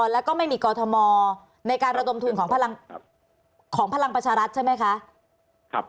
แล้วก็ไม่มีกรทมในการระดมทุนของพลังประชารัฐใช่ไหมคะ